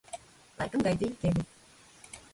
Laikam gaidīju tevi.